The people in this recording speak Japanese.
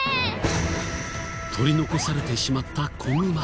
取り残されてしまった子グマ。